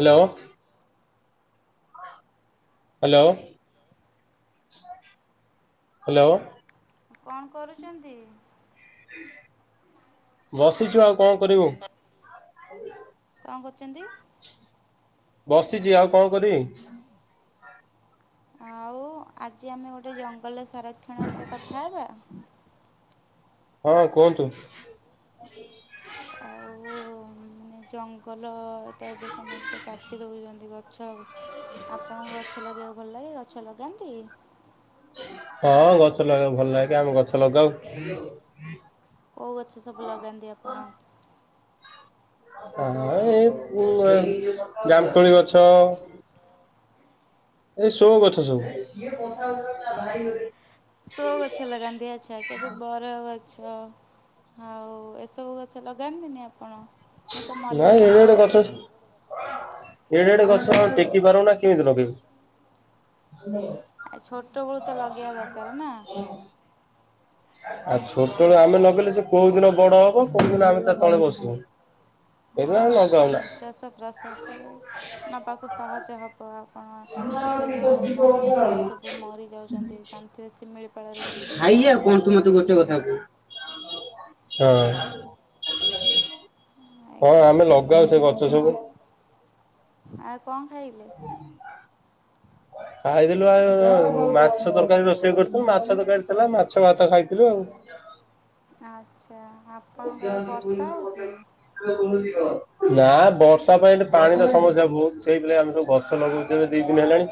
Hello. Hello, hello. କଣ କରୁଚନ୍ତି? ବସିଛୁ ଆଉ କଣ କରିବୁ। କଣ କରୁଚନ୍ତି? ବସିଚି ଆଉ କଣ କରିିବି। ଆଉ ଆଜି ଆମେ ଗୋଟେ ଜଙ୍ଗଲେ ତା ରକ୍ଷଣ ଉପରେ କଥା ହେବା। ହଁ କୁହନ୍ତୁ। ଆଉ ମାନେ ଜଙ୍ଗଲ ର ତ ଏବେ ସମସ୍ତେ କାଟି ଦଉଚନ୍ତି ଗଛ। ଆପଣଙ୍କୁ ଗଛ ଲଗେଇବାକୁ ଭଲ ଲାଗେ, ଗଛ ଲଗାନ୍ତି? ହଁ ଗଛ ଲଗେଇବା ଭଲ ଲାଗେେ। ଆମେ ଗଛ ଲଗାଉ। କୋଉ ଗଛ ସବୁ ଲଗାନ୍ତି ଆପଣ? ହଁ ଏଇ ଉଁ, ଏ ଜାମକୋଳି ଗଛ। ଏଇ ସୋ ଗଛ ସବୁ। ସୋ ଗଛ ଲଗାନ୍ତି। ଆଚ୍ଛା, କେବେ ବର ଗ ଛ ଆଉ ଏସବୁ ଗଛ ଲଗାନ୍ତିନି ଆପ ପଣ, ମୁଁ ତ ମଲ୍ଲୀ ନାଇଁ ଏଡେ ଗଛ ଏଡେ ଲଗେଇଛି। [unintelligible] ଆମେ ଟେକି ପାରୁନା କେମିତି ଲଗେଇବୁ। ଆ, ଛୋଟବେଳୁ ତ ଲଗେଇବା ଦରକାର ନା। ଆଉ ଛୋଟବେଳୁ ଆମେ ଲଗେଇଲେ ସେ କୋଉ ଦିନ ବଡ ହବ। କୋଉ ଦିନ ଆମେ ତା ତଳେ ବସିବୁ। ହଁ ସେଇଥିପାଇଁ ଆମେ ଲ ଆପଣ ନିଶ୍ଵାସ ପ୍ରଶ୍ୱାସରେ ନବାକୁ ସହଜ ହ ବ, ଆ ଆପଣ ଏବେ ଯୋଉ ବନ୍ୟଜନ୍ତୁ ସବୁ ମରିଯାଉଚନ୍ତି। ଜାଣିଥିବେ ଶିମିଳି ଖାଇଆ କଣ ତୁ ମୋତେ ଗୋଟେ କଥା କ? ହଁ। ହଁ ଆଜ୍ଞା ଆମେ ଲଗାଉ ସେ ଗଛ ସବୁ। ଆ କଣ ଖାଇଲେ? ଖାଇଥିଲୁ ଆଉ ମାଛ ତରକାରୀ ରୋଷେଇ କରିୁଥିଲୁ। ମାଛ ତରକାରୀ ଥିଲା। ମାଛ ଭାତ ଖାଇଥିଲୁ ଆଉ। ଆଛ ନା ବଷ ତା ପାଇଁ ଏ ପାଣିର ସମସ୍ୟା ବହୁତ ସେଇଥିାଇ ଆମେ ସବୁ ଗଛ ଲଗଉଛୁ ଏବେ ଦି ଦିନ ହେଲାଣି।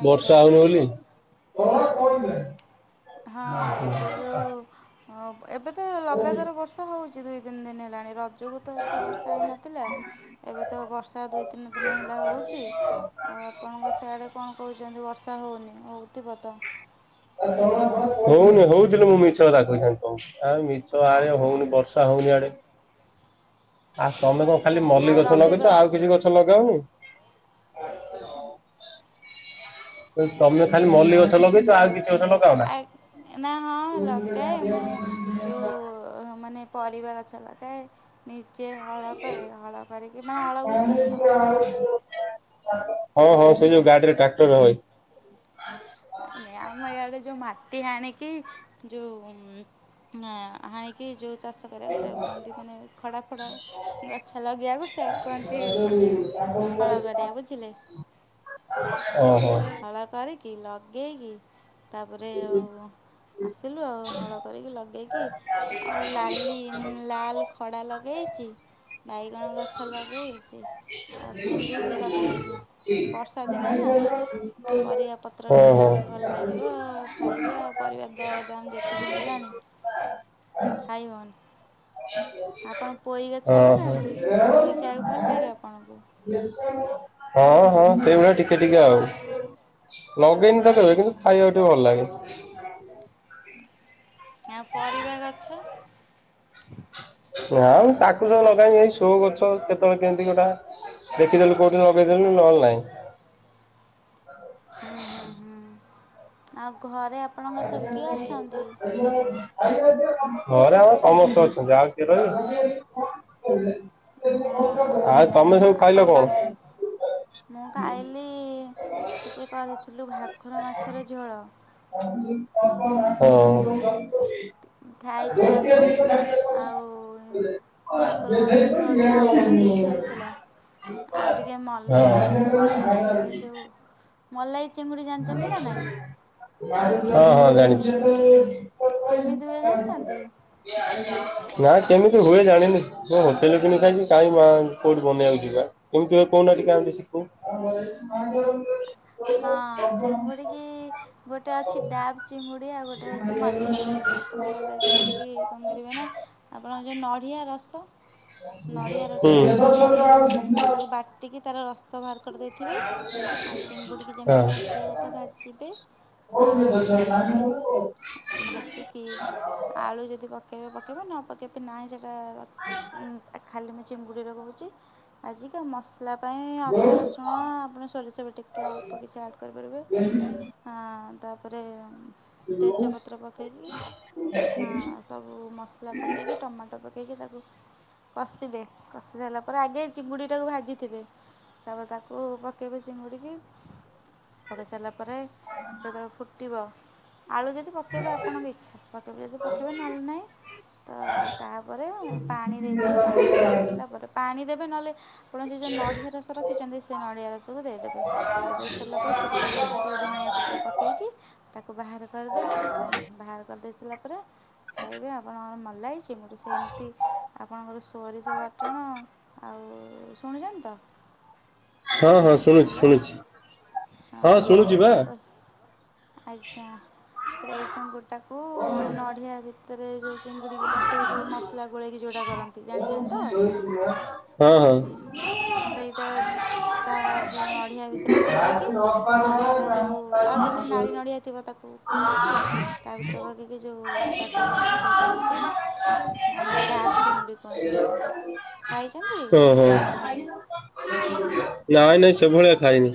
ଆଜ୍ଞା ବର୍ଷା ହଉନି ବୋଲି! କଣ କଣ ହେଲା? ହଁ ଏବେ ଯୋଉ [unintelligible] [inaudible] ଏବେ ତ ଲଗାତାର ବର୍ଷା ହଉଚି। ଦୁଇତିିନ ଦିନି ହେଲାଣି ଯୋଗୁ ତ ଏତେ ବର୍ଷା ହେଇନଥିଲା ଏବେ ତ ବର୍ଷା ଦୁଇ ତିନି ଦିନ ହେଲା ହଉଛି, ଆଉ ଆପଣଙ୍କ ସିଆଡେ କଣ କହୁଛନ୍ତି ବର୍ଷା। [unintelligible] ହଉନି, ହଉଥିଲେ ମୁଁ ମିଛ କଥା କହିଥାନ୍ତି ତମକୁ? ଆଡେ ଆଜ୍ଞା ହଉନି ଆଜ୍ଞା ବର୍ଷା ହଉନି ଆଡେ। ଆଉ ତମେ କଣ ଖାଲି ଆଜ୍ଞା ମଲ୍ଲି ଆଉ ଗଛ ଲଗେଇଛ ରବିବାର ଆଉ କିଛି ଗଛ ଲଗାଅନି? ଆ [inaudible] ତମେ ଖାଲି ମଲ୍ଲି ଗଛ ଲଗେଇଛ, ଆଉ କିଛି ଗଛ ଲଗାଅନା? ଆ- ନା ହଁ ଲଗାଏ ମୁଁ ଯେଉଁ ମାନେ ପରିବା ଗଛ ଲଗାଏ। ଯେ ହଳ କରେ ହଳ କରିକିନା ହଳ ବୁଝୁଛନ୍ତି। ହଁ ହଁ ସେ ଯୋଉ ଗାଡିରେ ଟ୍ରାକ୍ଟର ହୁଏ। ନ ଆମ ଇଆଡେ ଯଉ ମା ମାଟି ହାଣିକି ଯୋଉ ହାଣିକି ଯୋଉ ଚାଷ କରିବାକୁ ସେକୁ କୁହନ୍ତି ମାନେ ଖଡ଼ା ଫଡ଼ା ଗଛ ଲଗେଇବାକୁ ସେକୁ କୁହନ୍ତି ମାନେ ହଳ କରିବା ବୁଝିଲେ। ଓହୋ। ଓହୋ ଓହୋ। ହଳକରିକି ଲଗେଇକି ତାପରେ ଆଉ ଆସିଲୁ ଆଉ ହଳ କରିକି ଲଗେଇକି ଆଉ ଲାଲି ଲାଲ ଖଡ଼ା ଲଗେଇଛି ବାଇଗଣ ଗ [unintelligible] ବି ଲଗେଇଛି ବର୍ଷା ଦିନ ନା [inaudible] ପରିବା ପତ୍ର ଟିକେ ହେଲେ ଭଲ ଲାଗିବ, ଖାଇବେ ଆଉ ପରିବା। ଦରଦାମ ଯେତିକି ହେଲାଣି ଖାଇହଉନି। ଆପଣ ପୋଇ ଗଛା ଲଗାନ୍ତି ପୋଇ ଖାଇବାକୁ ଭଲ ଲାଗେ ଆପଣଙ୍କୁ? ହଁ ହଁ ସେଇଭଳିଆ ଟିକେ ଟିକେ ଆଉ ଲଗେଇନି ତା କରିବା ଆଉ କିନ୍ତୁ ଖାଇବାକୁ ଟିକେ ଭଲ ଲାଗେ। ଆ ପରିବା ଗଛ ନା ମୁ ତାକୁ ସବୁ ଆ ଲଗାଇି ଏାଇ ସୋ କରୁଛ। କେତେବେଳେ କେମିତି ଗୋଟା ଦେଖିଦେଲୁ କୋଉଠି ଲଗେଇଦେଲୁ ନହେଲେ ନହିଁ। ହୁଁ ହୁଁ ହୁଁ [inaudible] ଆଉ ଘରେ [inaudible] ଆପଣଙ୍କ ସବୁ କିଏ ଅଛନ୍ତି [inaudible] ଘରେ ଆମର ସମସ୍ତେ ଅଛନ୍ତି ଆଉ କିଏ ରହିବ। ହଁ ଆଉ ତମେ ସବୁ ଆପଣ ପାଇାଇଲ ବା କଣ? ମୁଁ ଖାଇଲି ଟିକେ କରିଥିଲୁ ଭାକୁର ମାଛର ଝୋଳ [inaudible] ହଁ [inaudible] ଖାଇଚୁ ତାକୁ ଆଉ ଭାକୁର ମାଂସ ଝୋଳ ଟିକେ ଆମ୍ବୁଲ ଦେଇକି ହେଇଥିଲା ଆଉ ଟିକେ ମଲେଇ ପକେଇକି ଏ ହଁ। ଯେଉ ମଲେଇ ଚିଙ୍ଗୁଡ଼ି [inaudible] ଜାଣିଛନ୍ତି ହଁ ନା ନାହିଁ ହଁ ଜାଣିଚି। କେମିତି ହୁଏ [inaudible] [inaudible] ଜାଣିଛନ୍ତି ନା କେମିତି ହୁଏ ଜାଣିନି ମୋ ହୋଟେଲରେ କିଣିଥାାଇି କାଇହିଁ ମା କୋଉଠି ବନେଇବାକୁ ଯିବା କେମିତି ହୁଏ କେହୁ ନାହାନ୍ତି ଆମେ ଟିକେ ଆମ ଶିଖୁ। ବ ହଁ ଚିଙ୍ଗୁଡ଼ିିକି ଗୋଟେ ଅଛି ଡାାବ୍ ଚିଙ୍ଗୁଡ଼ି ଆଉ ଗୋଟେ ହେଉଛି ମଲେଇ ଚିଙ୍ଗୁଡ଼ି ଆପଣ ମଲାଇ ଚିଙ୍ଗୁଡ଼ିିକି କଣ କରିବେ ନା ଆପଣ ଯେଉଁ ନଡ଼ିଆ ରସ ନଡ଼ିଆ ର ଆପଣ ତା ବା ତେରସ [inaudible] ଚିଙ୍ଗୁଡ଼ିକି ଯେମିତି ଭାଜିବା କଥା ଭାଜିବେ ଆଉ ଭାଜିକି ଆଳୁ ଯଦି ପକାଇବେ ପକେଇବା ନ ପକାଇବେ ନ ହେଲେ ତ ଉଁ ଖାଲି ଭା ଚିଙ୍ଗୁଡ଼ି ରୋହୁଚି ଆଜିକା ମ ଖାଇଲା ପାଇଁ ଅଦା ରସୁଣ ଆପଣ ସୋରିଷେ ବି ଟିକେ କି ଅଳ୍ପ କିଛି ଆଡ଼୍ କରିପାରିବେ ଆ ଆ ତାପରେ ତେଜପତ୍ର ପକେଇକି ହଁ ସବୁ ମସଲା ପକେଇକି ଟମାଟୋ ପକେଇ ପକାଇକି ତାକୁ କଷିବେ କଷି ସାରିଲା ପରେ ଆଗେଇ ଚିଙ୍ଗୁଡ଼ିଟାକୁ ଭାଜିଥିବେ, ତାପରେ ତାକୁ ପକାଇବେ ଚିଙ୍ଗୁଡ଼ିକି। ପକେଇ ସାରିଲା ପରେ ଯେତେବେଳେ ଫୁଟିବ ଆଳୁ ଯଦି ପକାଇବେ ଆପଣଙ୍କ ଇଚ୍ଛା ପକାଇବେ ଯଦି ପକାଇବେ ନଲେ ନାହିଁ ତ ତାପରେ ପାଣି ଦେଇଦେବେ ପାଣି ଦେଇକି ଫୁଟିଲା ପରେ ପାଣି ଦେ ବେ ନହେଲେ ଆପଣ ଯ ଯୋଉ ନଡିଆ ରସ ରଖିଛନ୍ତି, ସେ ନଡିଆ ରସକୁ ଦେଇଦେବେ। ସେ ଦେଇ ସାରିଲା ପରେ ଫୁଟି ସାରିଲା ପରେ ଟିକେ ଧଣିଆ ପତ୍ର ପକେଇକି ତାକୁ ବାହାର କରିଦେବା ନା ବାହାର କରିଦେଇ ସାରିଲା ପ ତାପରେ ଖାଇବେ ଆପଣଙ୍କର ମଲାଇ [unintelligible] ସେମିତି ଆପଣଙ୍କର ସୋରିଷ ବାଟଣ ଆଉ ଶୁଣିଚନ୍ତି ତ। ହଁ ହଁ ଶୁଣୁଛି ହ୍ୟାଲୋ ଶୁଣୁଛି। ହଁ ଶୁଣୁଛି ବା। [inaudible] ତ ଆଜ୍ଞା ସେଇ ଚୁଙ୍ଗୁ ଟାକୁ ନଢଆ ତରେ ଯୋଉ ଚିଙ୍ଗୁଡି। ବସେଇକି ସବୁ ମସଲା ଗୋଳେଇକି ଯେଉଁଟା କରନ୍ତି, ହଁ ଜାଣିନ୍ତି ହଁ। ତ? ସେଇଟା ତା ଯେଉ ନଡ଼ିଆ ଭିତରେ ପସେଇକି ନଡ଼ିଆର ଯେଉଁ ଆଉ ଯେତିକି ନାଳି ନଡ଼ିଆ ଥିବ ତାକୁ କୋରିକି ତା ଭିତରେ ଭଗିକି ଯେଉଟା କରନ୍ତି ସେଇଟା ହୋଉଚି। ଆମର ଡାବ୍ ଚିଙ୍ଗୁଡି କୁହନ୍ତି ଯୋଉଟା, ଖାଇଛନ୍ତି ନା ଓହୋ ଖାଇନାହାନ୍ତି କେବେ? ନାଇଁ ନାଇଁ ସେଭ ଭଳିଆ ଖାଇନି।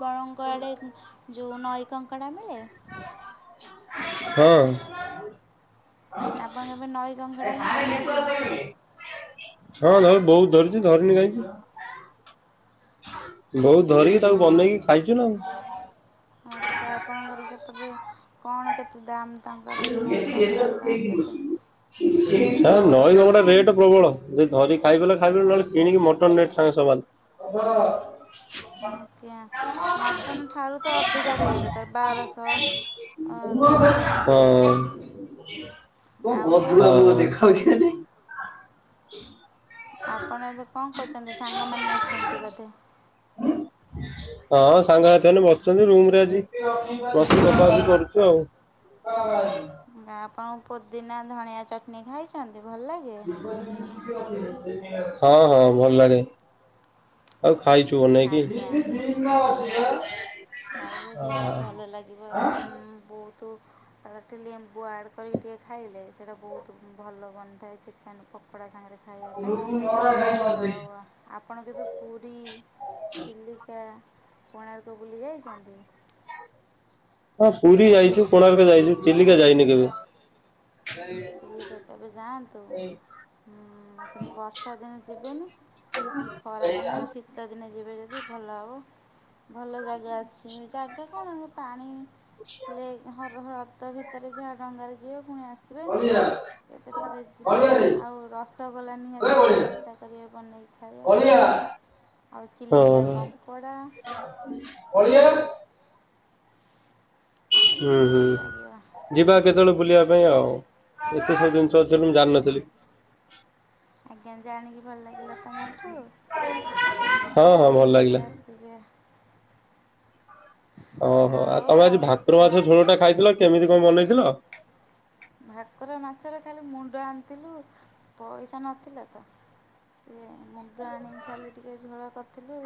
ପରମ୍ପରାରେ ଯେଉଁ ନଈ କଙ୍କଡ଼ା ମିଳେ। ହଁ। ହଁ ଆପଣ କେବେ ନଈ କଙ୍କଡ଼ା [unintelligible] ଧରିଛନ୍ତି? ହଁ ନଉ ବହୁ ଧର ଧରଣୀ ଗାଇକି ବହୁତ ଧରିକି ତାକୁ ହଁ। ବନେଇକି ଖାଇଚୁ ନା ଆଉ। ଆଚ୍ଛା ଆପଣଙ୍କର ତାପରେ କଣ କେତେ ଦାମ୍ ତାଙ୍କର [inaudible] ନା ଯେଉଁ ନଈ କଙ୍କଡ଼ାର ଦାମ୍ କେତେ ନଈ ଗୋଟେ ରେଟ୍ ପ୍ରବଳ, ଧରିକି ଖାଇ ପ ଖାଇ ନହେଲେ କିଣିକି ମଟନ ରେଟ ସାଙ୍ଗେ ସମାନ୍ ଆଜ୍ଞା ମଟନ୍ ଠାରୁ ତ ଅଧିକା ରେଟ୍ ତାର ବାରଶହ ତେରଶହ [inaudible] ତ [inaudible] ଏମିତି ରେଟ୍ ହଁ କଣ ଆଉ ଆପଣ ଗଧୁଆୁଆ ଦେଖା [unintelligible] [inaudible] ଆପଣ ଏବେ କଣ କରହୁଛନ୍ତି ସାଙ୍ଗମାନେ ଅଛନ୍ତି ବୋଧେ। ହଁ ସାଙ୍ଗ ସାଥିମାନ ବସିଛନ୍ତି, ରୁମରେ ଆଜି ବସିକି [unintelligible] କରୁଛୁ ଆଉ। ଆପଣ ପୋଦିନା ଧଣିଆ ଚଟଣି ଖାଇଚ [unintelligible] ହଁ ହଁ ଭଲ ଲାଗେ ଆଉ। ଖାଇଛୁ ନାଇକି ଆଜ୍ଞା ଖାଇବେ ହ ସେଇଟା ତୁ ତାାର ଟିକେ ଲେମ୍ବୁ ଆଡ଼୍ କରିକି ଟିକେ ଖାଇଲେ ସେଇଟା ବହୁତ ଭଲ ବନିଥାଏ ଚିକେନ୍ ପକୋଡ଼ା ସାଙ୍ଗରେ ଖାଇବା ପାଇଁ ଆଉ ଆପଣ କେବେ ପୁରୀ ଚିଲି କୋର୍ଣାକ ବୁଲି ଯାଇଚନ୍ତି? ହଁ ପୁରୀ ଯାଇଛୁ କୋଣାର୍କ ଯାଇଛୁ ଚିଲିକା ଯାଇନି କେବେ? ଚିଲିକା କେବେ ଯାଆନ୍ତୁ ହୁଁ କିନ୍ତୁ ବର୍ଷା ଦିନେ ଯିବେନି। ଖରାଦିନେ ଶୀତ ଦିନେ ଯିବେ ଯଦି ଭଲ ହବ। ଭଲ ଜାଗା ଅଛି ଜାଗା କଣ ହେ ପାଣି [unintelligible] ସେଇ ହାତ ଭିତରେ ଯାହା ଡଙ୍ଗାରେ ଯିିବ। ପୁଣି ଆସିବେ। ଏବେ ଥରେ ଯିବେ ଆଉ ରସଗୋଲା ନିହାତି ଚେଷ୍ଟା କରିବେ ବନେଇକି ଖାଇବାକୁ। ଆଉ ଚିଲିକା କଙ୍କଡ଼ା ହଁ। ହୁଁ ହୁଁ ଭଲ ଲାଗିବ ଯିବା କେତେବେଳେ ବୁଲିବା କୁ ଆଉ। ସେଠି ଏତେ ସବୁ ଜିନିଷ ଅଛି ମୁଁ ଜାଣିିନଥିଲି? ଆଜ୍ଞା ଜାଣିକି ଭଲ ଲାଗିଲା ତମଠୁ ଆପଣ ହଁ ଯିବେ ହଁ ଆଉ ଭଲ ଲାଗିଲା। ବୁଲିକି ଆସିବେ। ଓହୋ ଆଉ ତମେ ଆଜି ଭାକୁର ମାଛର ଝୋଳଟା ଖାଇଥିଲ କି? କେମିତି କଣ ବନେଇଥିଲ? ଭାକୁର ମାଛର ଖାଲି ମୁଣ୍ଡ ଆଣିଥିଲୁ ପଇସା ନଥିଲା ତ ଟିକେ ମୁଣ୍ଡ ଆଣି ଖାଇଲେ ଟିକେ ଝୋଳ କ ତେବେ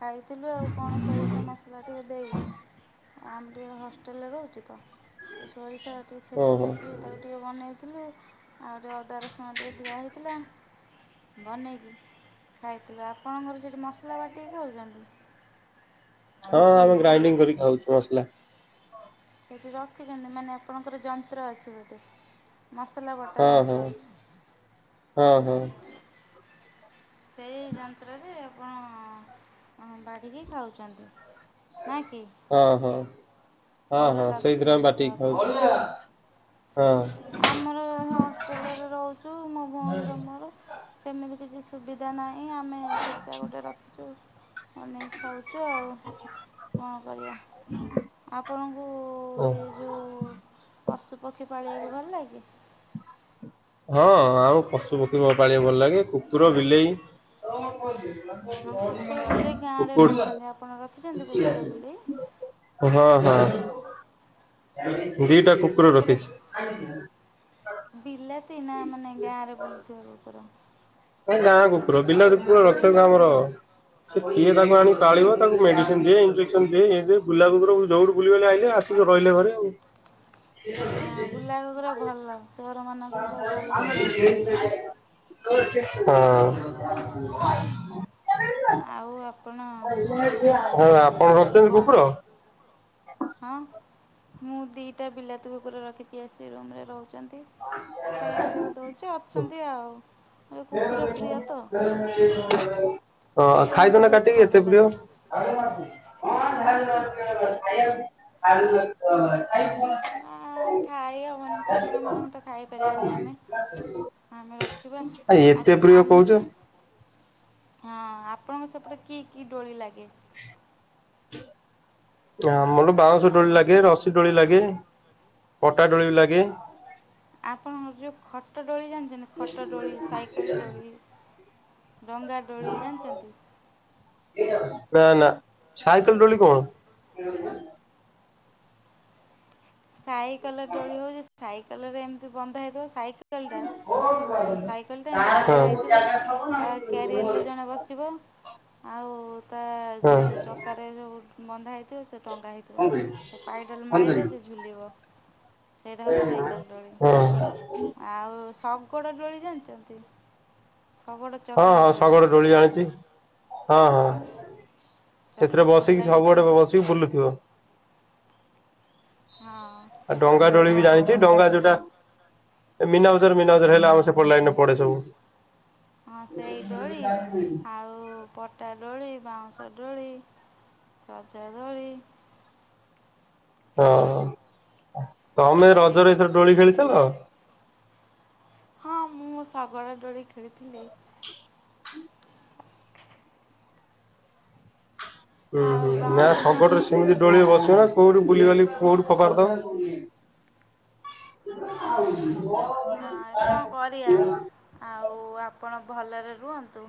ଖାଇଥିଲୁ ଆଉ କଣ ସୋରିଷ ମସଲା ଟିକେ ଦେଇ ଆମେ ବି ହଷ୍ଟେଲରେ ରହୁଛୁ ତ। ତ ସୋରିଷ ବାଟି ଛେଚି ଓହୋ ଛେଚି ତାକୁ ଟିକେ ବନେଇ ଥିଲି। ଆଉ ଟିକେ ଅଦା ରସୁଣ ଟିକେ ଦିଆହେଇଥିଲା। ବନେଇକି ଖାଇଥିଲୁ ଆପଣଙ୍କର ସେଇଠି ମସଲା ବାଟିକି ଖାଉଛନ୍ତି? ହଁ ଆମେ ଗ୍ରାଇଡିଙ୍ଗ କରି ଖାଉଛୁ ମସଲା। ସେଠି ରଖିଛନ୍ତି ମାନେ ଆପଣଙ୍କର ଯନ୍ତ୍ର ଅଛି ବୋଧେ। ମସଲା ବଟା ହୁଁ ହୁଁ ଯନ୍ତ୍ର ହୁଁ ହୁଁ। ସେଇ ଯନ୍ତ୍ରରେ ଆପଣ ବାଢ଼ିକି ଖାଉଛନ୍ତି। ନା କି ହଁ ହଁ। ହଁ ଭଲ ହଁ ଲାଗୁଥିବ ସେଇଥିରେ ଆମେ ବୋଧେ ବାଟିକି ଆପଣଙ୍କୁ ଖାଉଛୁ। ହଁ ଆମର ହଷ୍ଟେଲରେ ରହୁଛୁ ମୋ ଭଉଣୀର ମୋର ସେମିତି କିଛି ସୁବିଧା ନା ହିଁ ଆମେ ଛେଚା ଗୋଟେ ରଖିଛୁ ନେଇକି ଖାଉଛୁ ଆଉ। କଣ କରିଆ ଆପଣଙ୍କୁ ଓ ଏ ଯୋଉ ପଶୁପକ୍ଷୀ ପାଳିବାକୁ ହଁ ଆଉ ପଶୁ ପକ୍ଷୀ ମୋ ପାଳିବା ଭଲ ଲାଗେ, କୁକୁର ବିଲେଇ। ହଁ କୁକୁର ବିଲେଇ ଗାଁରେ କୁକୁର ରଖନ୍ତି ଆପଣ ରଖିଛନ୍ତି କୁକୁର ବିଲେଇ ହଁ ହଁ। ଏ ଦିଟା କୁକୁର ରଖିଛି। ସନା ମାନେ ଗାଁ ରେ ବୁଲୁଛ ଉପର ସେ ଗାଁ କୁକୁର ପିଲା ତ ପୁରା ରଖ କେ କାମର ସେ କିଏ ତାକୁ ଆଣିଳିବ ତାକୁ ମେଡିସିନ ଦିଏ ଇଞ୍ଜେକ୍ସନ ଦି ଗୁଲାବୁର ଯୋଉଠୁ ବୁଲିବଲେ ଆେ ଆସିକି ରହିଲେ ଘରେ ଆଉ ଆ ବୁଲା କୁକୁର ଭଲ ଚୋର ମାନଙ୍କୁ ସବୁ ଭଲସ ଧରିଦେବେ ହ। ହଁ। ଆଉ ଆପଣ ହଁ ହଁ ଯୋଉ ଆପଣ ରଖିଛନ୍ତି କହୁ କୁକୁର? ହଁ। ମୁଁ ଦିଟା ବିଲାତି ଉପରେ ରଖିଛି ଆସି ରୁମରେ ରହୁଚି। ଖାଇ ବା ପିଇବା ପାଇଁ ଦୋଉଚି ଅଛନ୍ତି ଆଉ କୁକୁର ପ୍ରିୟ ତ। ହଁ ଆଉ କୁକୁର ଖାଇଦେ ମୋତେ ନା ବହୁତ କାଟିକି ଏତେ ଭଲ ପ୍ରିୟ। ଲାଗେ [unintelligible] ନା ଖାଇ ଆ ମାନେ କୁକୁର ମାନଙ୍କ ଆମେ ରଖିବା ଆ ଏତେ ପ୍ରିୟ କହୁଛ ହଁ ଆପଣଙ୍କ ସପଟରେ କି କି ଡୋଳି ଲାଗେ? ହ ମୋର ବାରଶହ ଡୋଳି ଲାଗେ ରଶ ଡୋଳି ଲାଗେ ପଟା ଡୋଳି ବି ଲାଗେ। ଆପଣଙ୍କ ଯୋଉ ଖଟ ଡୋଳି ଜାଣିଛନ୍ତି ଖଟ ଡୋଳି ସାଇକେଲ ଡୋଳି। ଡଙ୍ଗା ଡୋଳି ଜାଣିଛନ୍ତି? ନା ନା ସାଇକଲ ଡୋଳି କଣ? ଖାଇ କଲ ଡଳି ହଉଛି ସାଇ ଲରେ ଏମିତି ବନ୍ଦ ହେଇଥିବ ସାଇ ହଁ ହଁ ସାଇକେଲ ଟା ଏମତି ବନ୍ଧ ହେଇଥିବ କ୍ୟାରିଅରରେ ଜଣେ ବସିବ। ଆଉ ତା ଯୋଉ ଚକାରେ ଯୋଉ ବନ୍ଧା ହେଇଥିବ ସେ ଟନଗା ହେଇଥିବ ସେ ପାଇଡାଲ ମାଇଲେ ସେ [unintelligible] ଲିବ ସେଇଟା ହଉଛି ସାଇକେଲ ଦୋଳି ଆଉ ସ କୋଡଡୋଳି ଜାଣିଛନ୍ତି? ଶଗଡ଼ ହଁ ଚକାରେ ହଁ ଡୋଳି ଶଗଡ ଦୋଳି ଆଣିଛି ହଁ ହଁ। ସେଥିରେ ଚକାରେ ଡୋଳି ବସିକି ଲାଗିଥିବ ସବୁଆଡେ ବସିକି ବୁଲୁଥିବ। ହଁ ଡଙ୍ଗା ଡୋଳି ବି ଆଉ ଜାଣିଛି ଡଙ୍ଗା ଯୋଉଟା ଏ ମିନାବଜର ମିନାଜର ହେଲା ଆଉ ସେପଟ ଲାଇନ ରେ ପଡେ ସବୁ ହଁ ସେଇ ଡୋଳି ଆଉ ପଟା ଡୋଳି। ବାଉଁଶ ଡୋଳି ରଜ ଦୋଳି ହଁ। ତମେ ରଜରେ ଏଥର ଡୋଳି ଖେଳିଥିଲ। ହଁ ମୁଁ ଶଗଡ ଡୋଳି ଖେଳିଥିଲି। ହୁଁ ହୁଁ ଆଉ ନା ବାଉଁଶ ଶଗଡ ଡୋଳି ରେ ବିକେ ସେମିତି ଡୋଳିରେ ବସିବ କଉଠୁ ବୁଲିିବାଲି କୋଉଠୁ ଫୋପାଡି ଆଉ କଣ କରିବା ଦେ [inaudible] ଆଉ ଆପଣ ଭଲରେ ରୁହନ୍ତୁ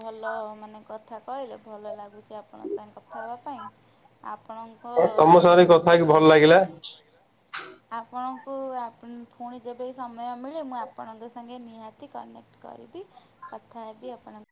ଭଲ ମାନେ କଥା କହିଲେ ଭଲ ଲାଗୁଛି ଆପଣଙ୍କ ସାଙ୍ଗେ କଥା ହେବା ପାଇଁ ଆପ ଆପଣଙ୍କ ହଁ ତମ ଠାରୁ ସାଙ୍ଗରେ କିଛି କଥା ହେଇକି ଶିକ୍ଷା ଭଲ ଲାଗିଲା। ଆପଣ ଆପଣ ଫୁଣି ଯେବେ ସମୟ ମିଳେ ମୁଁ ଆପଣଙ୍କ ସାଙ୍ଗେ ନିହାତି କନେକ୍ଟ କରିବି କଥା ହେବି ଆପଣଙ୍କ